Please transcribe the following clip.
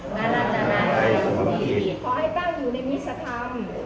ขอให้ก้าวอยู่ในมิสธรรม